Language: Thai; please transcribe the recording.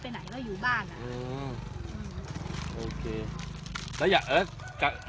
ใช่ยืนยันว่าไม่ได้ไปไหนก็อยู่บ้านอืมโอเคแล้วอยากเอ่อ